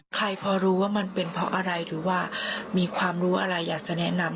ใครพอรู้ว่ามันเป็นเพราะอะไรหรือว่ามีความรู้อะไรอยากจะแนะนำ